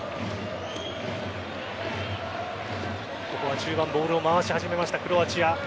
中盤、ボールを回し始めましたクロアチア。